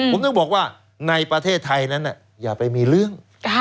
ผมถึงบอกว่าในประเทศไทยนั้นอย่าไปมีเรื่อง